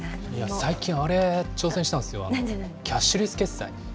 最近あれ、挑戦したんですよ、キャッシュレス決済。